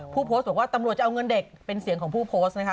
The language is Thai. ผู้โพสต์บอกว่าตำรวจจะเอาเงินเด็กเป็นเสียงของผู้โพสต์นะคะ